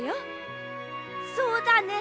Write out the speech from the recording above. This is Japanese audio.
そうだね！